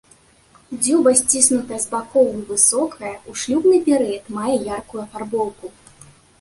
Дзюба сціснутая з бакоў і высокая, у шлюбны перыяд мае яркую афарбоўку.